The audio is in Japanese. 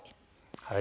はい。